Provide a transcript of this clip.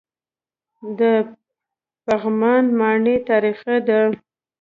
د پغمان ماڼۍ تاریخي ده